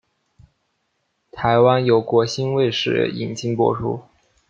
台湾由国兴卫视引进播出。